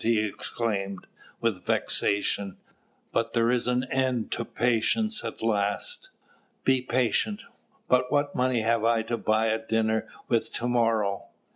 he exclaimed, with vexation; "but there is an end to patience at last. Be patient! but what money have I to buy a dinner with to morrow?